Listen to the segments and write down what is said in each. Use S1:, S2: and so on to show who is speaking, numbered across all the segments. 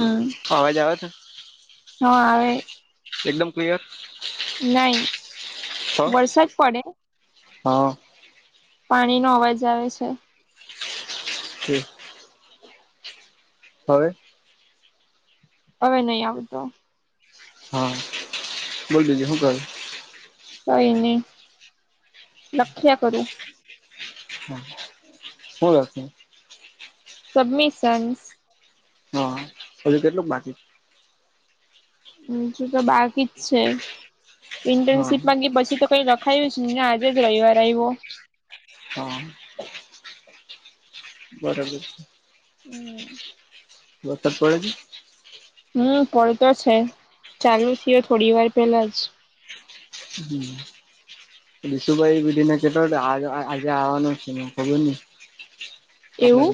S1: હમ
S2: આવાજ આવે તો?
S1: હા આવે.
S2: એકદમ ક્લિયર?
S1: નહી
S2: હ
S1: વરસાદ પડે.
S2: હા.
S1: પાણી નો અવાજ આવે છે.
S2: હમ હવે
S1: હવે નહી આવતો.
S2: હા બોલ બીજું હું કરે?
S1: કઈ નહી, લખ્યા કરૂ.
S2: હા હું લખેહ?
S1: સબમિશન્સ.
S2: હા હજુ કેટલુંક બાકી?
S1: હછું તો બાકી જ છે,
S2: હા
S1: ઇન્ટર્નશીપ પછી તો કઈ લખ ખાઈ છે ને આજે જ રવિવાર આવ્યો
S2: હા બરોબર.
S1: હમ.
S2: વરસાદ પડે છે?
S1: હમ પડતો છે ચાલુ થયો થોડી વાર પેલા જ.
S2: [inaudible] લસું પારી બેધના કે ત આ આજ આજે આવવાનું છે કબર ની આપડે
S1: એવું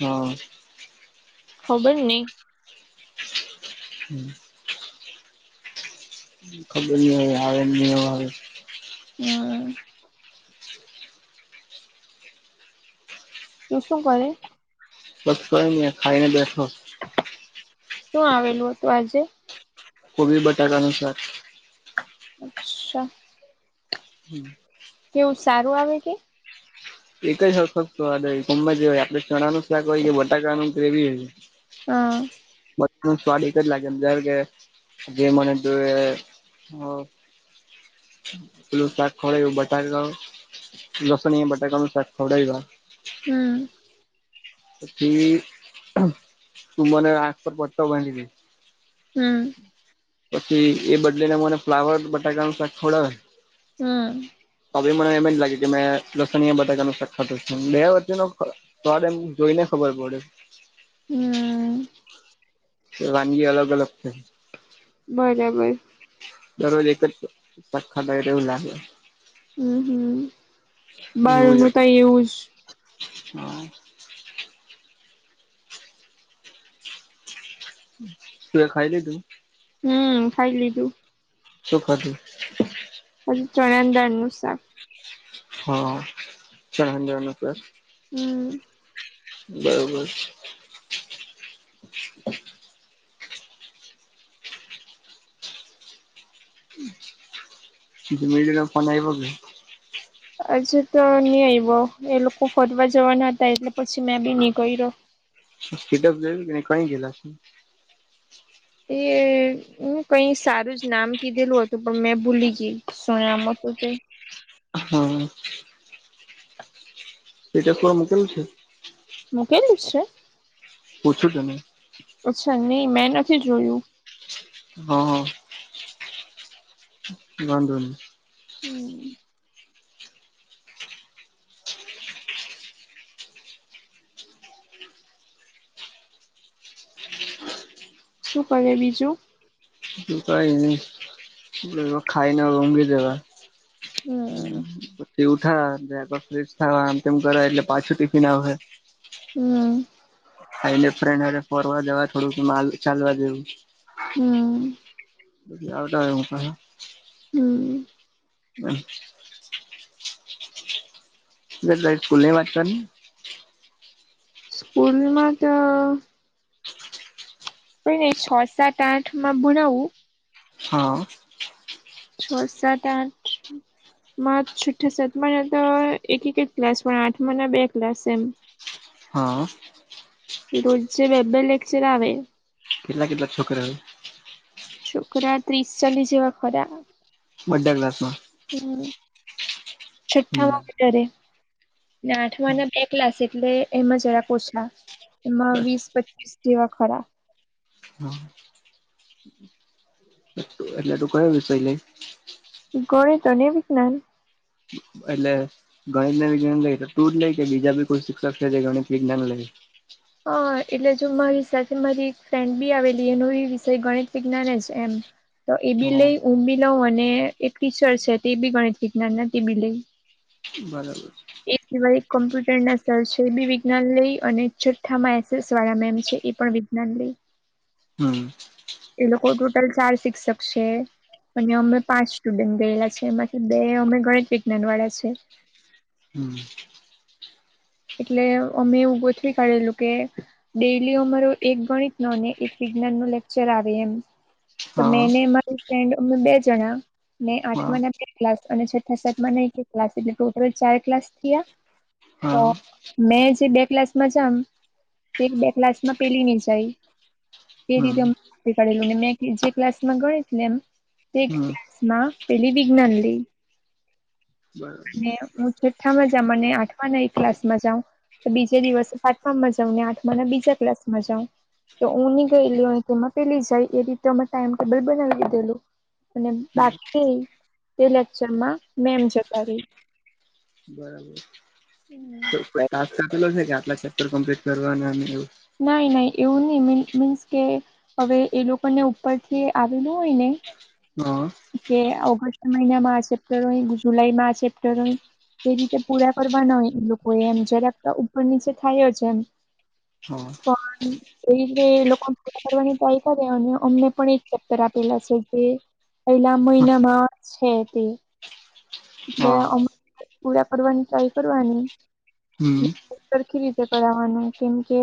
S2: હા
S1: ખબર ને
S2: હમ ખબર નહી હોય આવે નહી
S1: હા તુ શું કરે?
S2: બસ કયની આ ખાઈને બેઠો
S1: શું આવેલું હતું આજે?
S2: કોબી બટાકા નુ સાખ.
S1: અચ્છા
S2: હમ
S1: કેવું સારું આવે કે?
S2: એક જ સરખો સ્વાદ હોય ગમે તે હોય આપડે ચણા નુ શાક હોય કે બટાકાનું ગ્રેવી હોય
S1: હા
S2: બધું જ સ્વાદ એક જ લાગે જ્યારે કે જે મને જો એ પેલું શાક ખરે એવું બટાકા લસણીયા બટાકા ખવડાવ્યા
S1: હમ
S2: પછી તું મને આખ પર પટ્ટો બાંધી દે
S1: હમ.
S2: પછી એ બદલીને મને ફ્લાવર બટાકાનું શાક ખવડાવે.
S1: હમ.
S2: તો બી મને એમજ લાગે કે મેં લસણીયા બટાકા સાખ ખાતો છે એમ બે વચ્ચેનો સ્વાદ એમ જોઈને ખબર પડે.
S1: હમ.
S2: વાનગી અલગ અલગ છે.
S1: બરાબર.
S2: દરરોજ એકજ સ શાક ખાતા હોય એવું લાગે.
S1: હમ હમ
S2: એવું જ
S1: બારનું
S2: હતું
S1: તઈ એવુંજ.
S2: હા. તું ખાઈ લીઘુ?
S1: હમ ખાઈ લીધું.
S2: શું ખાધું?
S1: ચણાની દાળનું શાક
S2: હા ચણા ની દાળનું શાક.
S1: હમ.
S2: બરોબર. [unintelligible] ફોન આવ્યો કે
S1: હજુ તો નહી આવ્યો એ લોકો ફોરવા જવાના હતા એટલે પછી મેં બી ની કયરો.
S2: સ્ટેટસ જોયું કે નહીં કંઈ ગેલા છે?
S1: એ હું કઈ સારુંજ નામ કીધેલું હતું પણ મેં ભૂલી ગય શું નામ હતું તે.
S2: હહ સ્ટેટસમાં મૂકેલુ છે
S1: મૂકેલું છે.
S2: પૂછું કે નહી.
S1: અચ્છા નહી મેં નથી જોયું.
S2: હહ હહ વાંધો ની.
S1: હમ શું કરે બીજું?
S2: બીજું કાંઈ ની એટલે હવે ખાઈને હવે ઊંઘી જવા. હમ તે ઉઠા ને જરાક વાર ફ્રેશ થાવા આમ તેમ કરે એટલે પાછું ટીફિન આવ હે.
S1: હમ
S2: ખાઈને ફ્રેન્ડ હારે ફરવા જવા થોડુંક માલ ચાલવા જેવું.
S1: હમ
S2: બધી આવતા હોય હું કરવા.
S1: હમ
S2: હહ એટલે તારી સ્કૂલની વાત કરને.
S1: સ્કૂલમાં તો. કાઈ નહી છ, સાત, આઠમાં ભણાવુ.
S2: હા
S1: છ, સાત, આઠ હમ માં છઠ્ઠા સાતમાં ના તો એક એક જ ક્લાસ પણ આઠમાં ના બે ક્લાસ એમ.
S2: હહ
S1: રોજે બે બે લેક્ચર આવે.
S2: કેટલા કેટલા છોકરા હોય?
S1: છોકરા ત્રીસ ચાલીસ જેવા ખરા.
S2: બધાં ક્લાસમાં?
S1: હમ
S2: હમ
S1: છઠ્ઠામાં વધારે. ને આઠમાંના બે ક્લાસ એટલે એમાં જરા. ઓછા. એમાં
S2: બસ
S1: વીસ પચીસ જેવા ખરા.
S2: હહ તું એટલે તું કયો વિષય લે?
S1: ગણિત અને વિજ્ઞાન.
S2: એટલે ગણિતને વિજ્ઞાન લે તો તું જ લે કે બીજા બી કોઈ શિક્ષક છે જે ગણિત, વિજ્ઞાન લે?
S1: હહ એટલે જો મારી સાથે મારી એક ફ્રેન્ડ બી આવેલી એનો ઈ વિષય ગણિત, વિજ્ઞાન જ એમ. તો એબી
S2: હા.
S1: લઈ, હું બી લઉ અને એક ટીચર છે તે બી ગણિત વિજ્ઞાનને તે બી લઈ.
S2: બરાબર છે.
S1: એકવા એક કોમ્પ્યુટરના સર છે એબી વિજ્ઞાન લેય અને છઠ્ઠામાં એસએસ વાળા મેમ છે એ પણ વિજ્ઞ જ્ઞાન લેય.
S2: હમ
S1: એ લોકો ટોટલ ચાર શિક્ષક છે. અહીંયા અમે પાંચ સ્ટુડન્ટ ગયેલા છે એમાંથી બે અમે ગણિત, વિજ્ઞાનવાળા છે.
S2: હમ
S1: એટલે અમે એવું ગોથવી કાઢેલું કે ડેલી અમારો એક ગણિતનો અને એક વિજ્ઞાનનો લેક્ચર આવે એમ. તો મેં
S2: હા
S1: ને મારી ફ્રેન્ડ અમે બે જણા ન
S2: હા
S1: આઠમા ના બે ક્લાસ અને છ્ઠા સાત ના ક્લાસ એટલે ટોટલ ચાર ક્લાસ થયા. તો
S2: હા.
S1: મેં જે બે ક્લાસમાં જામ, તે બે ક્લાસમાં પેલી નની જાય. એ રીતે
S2: હમ
S1: અમ નક્કી કરેલું ને મેં જે ક્લાસમાં ગણીત લે એમ. તે
S2: હમ
S1: ક્લાસમાં પેલી વિજ્ઞાન લઈ.
S2: બરાબર
S1: અને હું છઠ્ઠામાં જા મને આઠમાંના એ ક્લાસમાં જાઉ. તો બીજે દિવસે પાંચમાં માં જાઉં ને આઠમાંના બીજા ક્લાસમાં જાઉં. તો ઉ ની ગયેલી હોય તો એમાં પેલી જાય એ રીતે અમે ટાઈમટેબલ બનાવી લીધેલું. અને
S2: હા
S1: બાકી એ લેક્ચરમાં મેમ જ તારી હમ.
S2: કો ટાસ્કલો છે કે આટલા ચેપ્ટર કમ્પ્લીટ કરવા એવું?
S1: નાઈ ના એવું નહી મીન્સ કે, હવે એ લોકોને ઉપરથી આવેલું હોય ને.
S2: હા.
S1: કે ઓગસ્ટ મહિનામાં આ ચેપ્ટર હોય જુલાઈ માં આ ચેપ્ટર હોય. તે રીતે પૂરા કરવાના હોય એ લોકો એમ જરાક ઉપર નીચે થાય છે એમ.
S2: હા.
S1: પણ એ રીતે લોકો પૂ કરવાની ટ્રાય કરે અને અમને પણ એક ચેપ્ટર આપેલા છે જે પેલા
S2: હા
S1: મહિનામાં છે તે. એટલે
S2: હા
S1: અમ પૂરા કરવાની ટ્રાય કરવાની.
S2: હમ
S1: સરખી રીતે કરવાનું કેમ કે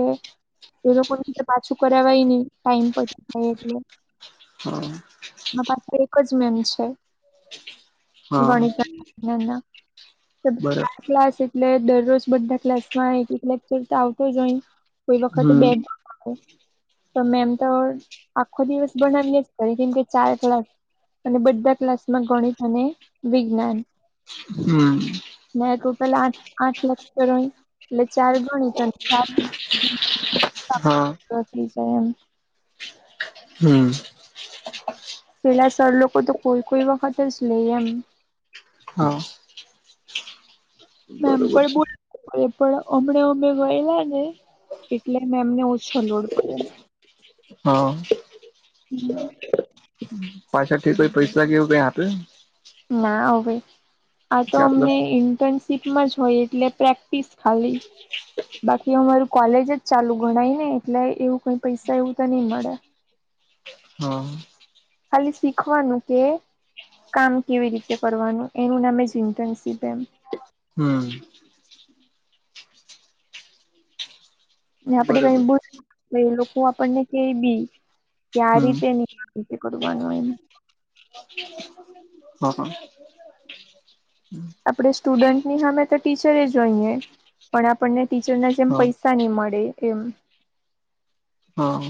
S1: એ લોકોઈ રીતે પાછું કરાય નહી ટાઈમ પર થાય એટલે.
S2: હમ.
S1: એ પાસે એક જ મેન છે,
S2: હા
S1: ગણિત ના ના.
S2: બરાબર
S1: ક્લાસ એટલે દરરોજ બધા ક્લાસ માંકોરતો આવતો જોઈ. કોઈ વખતે
S2: હમ
S1: બે તો મેમ તો આખો દિવસ બનાવીએ જ કરી કેમ કે ચાર કલાક અને બધા ક્લાસમાં ગણિત અને વિજ્ઞાન.
S2: હમ.
S1: ના તો પેલા આ આઠ લખ કર એટલે ચાર ગણી પણ
S2: હા
S1: ી જાય એમ.
S2: હમ.
S1: પેલા સર લોકો તો કોઈ કોઈ વખત જ લે એમ.
S2: હા.
S1: મેમ
S2: બરોબર
S1: પણ
S2: છે
S1: બોલ પણ હમણાં અમે ગયેલા ને. એટલે મે એમને ઓછો લોડ કર્યો.
S2: હા. પાછળથી કોઈ પૈસા કે એવું કંઈ આપે
S1: ના હો ભઈ આ તો
S2: કે આટલો
S1: અમને ઇન્ટન્સ સીપમાં જ હોય એટલે પ્રેક્ટિસ ખાલી બાકી અમારું કોલેજ જ ચાલુ ગણાય ને એટલે એવું કઈ પૈસા એવું તો ની મળે
S2: હા
S1: ખાલી શીખવાનું કે કામ કેવી રીતે કરવાનું એનું નામે જ ઈન્ટનશીપ એમ
S2: હમ
S1: ને આપદી કઈ
S2: બરોબર
S1: ભૂ એ લોકો આપણને કે બી કે આ
S2: હમ
S1: રીતે રીતે કરવાનું એમ
S2: [unintelligible] હા હા
S1: આપણે સ્ટુડન્ટ ની હામે તો ટીચરે જ હોઈએ પણ આપણને ટીચરના જેમ
S2: હા
S1: પૈસા ની મળે એમ
S2: હા.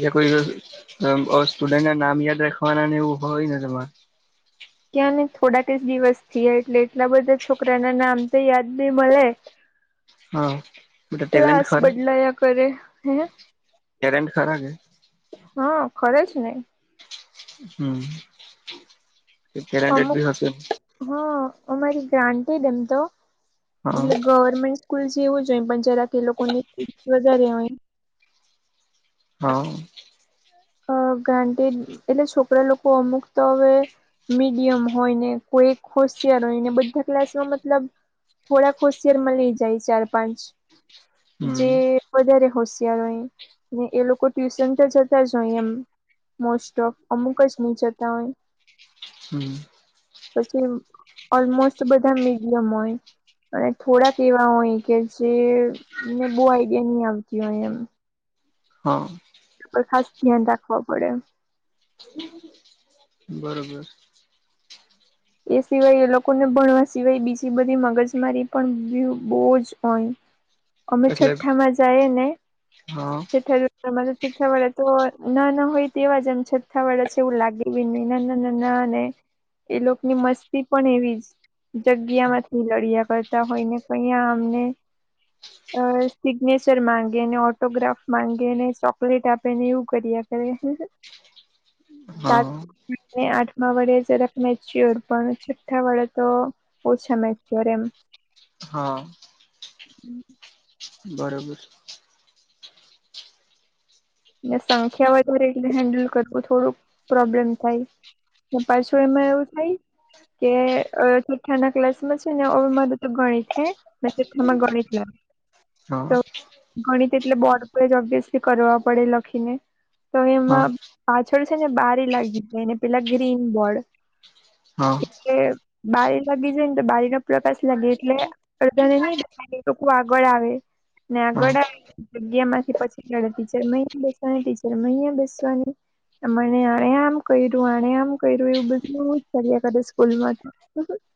S2: જે કોઈ સ્ટુડન્ટ ના નામ યાદ રાખવાના ને એવું હોય ને તમારે.
S1: ક્યાંને થોડાક જ દિવસ થયા એટલે એટલા બધા છોકરાના નામ તો યાદ બી મળે
S2: હા બધા ટેલેન્ટ
S1: ક્લાસ
S2: ખરા
S1: બદલાયા કરે હે
S2: ટેરન્ટ ખરા કે
S1: હા ખરે છે ને
S2: હમ કેરાેડ
S1: અમુક
S2: ભી હશે.
S1: હા અમારી ગ્રાન્ટ જ એમ તો
S2: હા
S1: એટલે ગવર્મેન્ટ. સ્કૂલ જેવું જ હોય પણ જરા કે લોકો ની ફી વધારે હોય.
S2: હા.
S1: અ ગાં્ટ એટલે છોકરા લોકો અમુક તો હવે. મીડિયમ હોય ને કોઈ હોશિયાર હોય ને બધા ક્લાસમાં મતલબ. થોડા ખુશિયારમાં લઈ જાય ચાર પાંચ.
S2: હમ
S1: જે વધારે હોશિયાર હોય ને એ લોકો ટ્યુશન તો જતા જ. જો એમ મોસ્ટ ઓફ અમુક જ નહીં જતા હોય.
S2: હમ.
S1: પછી ઓલમોસ્ટ બધા મીડિયમ હોય. અને થોડાક એવા હોય કે જેને બહુ આઈડિયા નહી આવતી હોય એમ.
S2: હા.
S1: ખાસ ધ્યાન રાખવા પડે.
S2: હમ. બરોબર.
S1: એ સિવાય એ લોકોને ભણવા સિવાય બીજી બધી મગજ મારી પણ વ્ય બહુ જ હોય. અમે
S2: એટલે
S1: છઠ્ઠામાં જાય ને.
S2: હા
S1: ઠઠ છઠ્ઠા વાળા તો ના ના હોય તેવા જ એમ છઠ્ઠા વાળા છે એવું લાગે ને. નાના નાના અને એ લોકો ની મસ્તી પણ એવી જ. જગ્યા માંથી લડ્યા કરતા હોઈને કયા અમને. અ સિગ્નેચર માંગે અનેને. ફોટોગ્રાફ માંગેને ચોકલેટ આપે ને એવું કર્યા કરે. સાત
S2: હા.
S1: આઠમા વડે જરાક મેચી પણ છઠ્ઠા વડે તો. ઓછા મેચ્યારે એમ.
S2: હા. બરોબર.
S1: એલે સંખ્યા વધારે એટલે હેન્ડલ કરવું થોડુંક પ્રોબ્લેમ થાય. પાછું એમાં એવું થાય. કે છોઠ્ઠા ના ક્લાસ માં છે નેવે મા તો ગણી છે. મેામાં ગણિત લ
S2: હા
S1: તો ગણિત એટલે બોર્ડ પડે ઓબ્વિયસલી કરવા. પડે લખીને. તો
S2: હા
S1: એમાં પાછળ છે ને બારી લાગી એને પેલા ગ્રીન બોર્ડ.
S2: હા
S1: એટલે બારી લાગી જાય ને તો બારી ના પ્રકાશ લાગે એટલે. અધાને નહી લેવા એ લોકો આગળ આવે. ને
S2: હા
S1: આગળ જગ્યા માંથી પછી લડતી. ચ મૈયા બેસવાણી ટીચરમૈયા બેસ્વાણી. મને આણે આમ કર્યું આ આમ કર્યું એવું બધું બ જ કદા સ્કૂલમાં. [inaudible]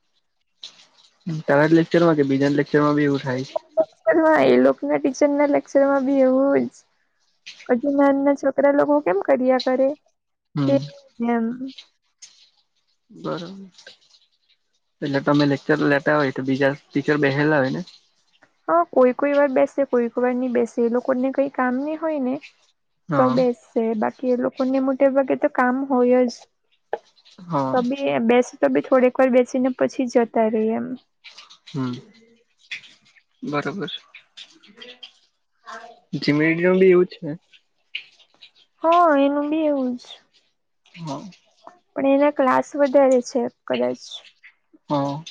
S2: તારા લેક્ચરમાં કે બી લેક્ચરમાં એવું થાય છે.
S1: હા એ લોકો ના ટીચર ના લેક્ચરમાં બી એવું જ. હજુ નાન ના છોકરા લોકો કેમ કર્યા
S2: હમ
S1: કરેમ.
S2: બરોબર એટલે તમે લેક્ચર લેતા હોય તો બીજા ટીચર બેઠલા હોય ને.
S1: હ કોઈ કોઈ વાર બેસે કોઈ કોઈાર નિ બેસે એ લોકોને કઈ કામ ન હોય ને. તો
S2: હા
S1: બેસ છે બાકી એ લોકોને મોટે ભાગે તો કામ હોય જ.
S2: હા.
S1: એ બેસી તો બી થોડીક વાર બેસી ને પછી જતા રહી એમ.
S2: હમ બરાબર. જીમડિયમ બી યુજ.
S1: હા એનું બી હું છે.
S2: હા.
S1: પણ એના ક્લાસ વધારે છે કદાચ.
S2: હા.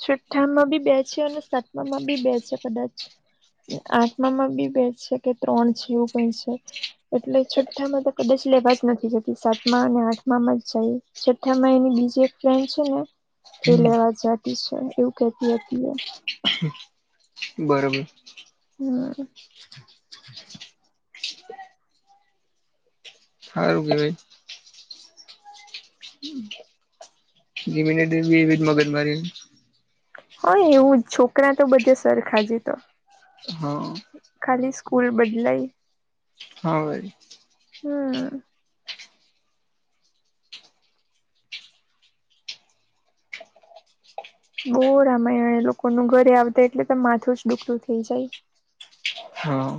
S1: છઠ્ઠામાં બી બે છે અને સાતમામાં બી બે છે કદાચ. આઠમામાં બી બે છે કે ત્રણ છે એવું કઈ છે. એટલે છઠ્ઠામાં તો કદાચ લેવા જ નથી જતી સાત માં અને આઠમાંમાં જાય. છતાામાં એની બીજી એક ફ્રેન્ડ છે ને.
S2: હમ.
S1: જાતિ છે એવું કહેતી હતી એ.
S2: બરોબર.
S1: હમ.
S2: હુંરુ ભય. લમિનેટજ મગજ મારી.
S1: હ એવું છોકરા તો બધે સરખાજી તો.
S2: હા.
S1: ખાલી સ્કૂલ બદલાય.
S2: હા ભાઈ.
S1: હમ. બો રામાય એ લોકો ન ઘરે આવતા એટલે તો માથું જ ડુખલું થઇ જાય.
S2: હા.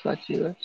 S2: સાચી વાત